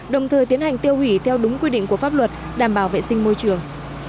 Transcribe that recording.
đồng thời tiến hành tiêu hủy theo đúng quy định của pháp luật đảm bảo vệ sinh môi trường